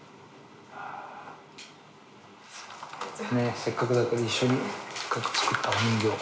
せっかくだから一緒にせっかく作ったお人形。